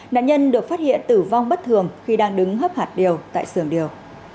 nạn nhân được phát hiện tử vong bất thường khi đang đứng hấp hạt điều tại sưởng điều